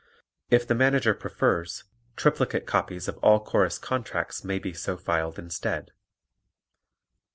If the Manager prefers, triplicate copies of all Chorus contracts may be so filed instead.